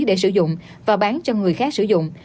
để sử dụng và bán cho người khác sử dụng